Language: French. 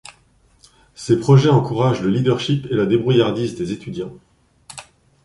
Ces projets encouragent le leadership et la débrouillardise des étudiants.